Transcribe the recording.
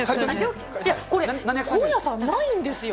これ、本屋さん、ないんですよ。